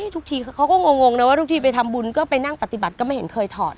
ทุกทีเขาก็งงนะว่าทุกทีไปทำบุญก็ไปนั่งปฏิบัติก็ไม่เห็นเคยถอด